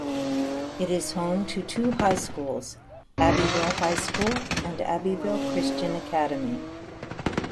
It is home to two high schools: Abbeville High School and Abbeville Christian Academy.